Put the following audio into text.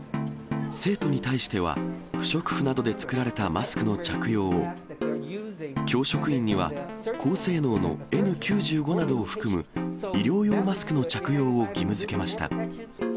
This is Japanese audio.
生徒に対しては、不織布などで作られたマスクの着用を、教職員には、高性能のＮ９５などを含む医療用マスクの着用を義務づけました。